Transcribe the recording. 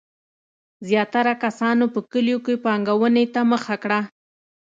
زیاتره کسانو په کلیو کې پانګونې ته مخه کړه.